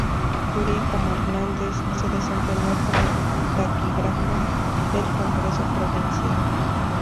Turi, como Hernández, se desempeñó como taquígrafo del Congreso provincial.